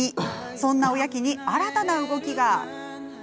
そんなおやきに新たな動きが。